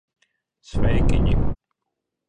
Sveikiņi!